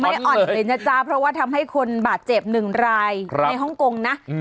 อ่อนเลยนะจ๊ะเพราะว่าทำให้คนบาดเจ็บหนึ่งรายในฮ่องกงนะ